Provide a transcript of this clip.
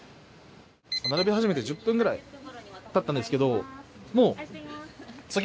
並び始めて１０分ぐらい経ったんですけどもう次ですね